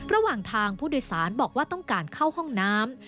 ระหว่างทางผู้โดยสารบอกว่าต้องการเข้าห้องน้ำ